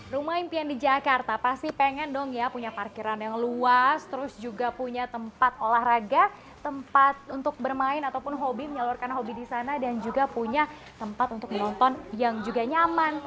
rumah impian di jakarta pasti pengen dong ya punya parkiran yang luas terus juga punya tempat olahraga tempat untuk bermain ataupun hobi menyalurkan hobi di sana dan juga punya tempat untuk menonton yang juga nyaman